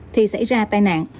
thì xảy ra tai nạn